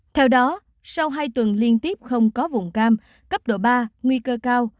theo đó sau hai tuần liên tiếp không có vùng cam cấp độ ba nguy cơ cao